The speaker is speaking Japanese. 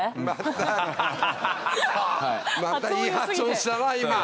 またいい発音したな今。